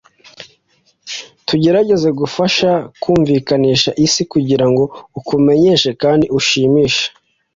tugerageza kugufasha kumvikanisha isi kugirango ukumenyeshe kandi ushimishe